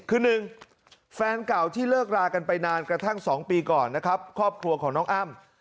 คือหนึ่งแฟนเก่าที่เลิกรากันไปนานกระทั่ง๒ปีก่อนนะครับครอบครัวของน้องอ้ำ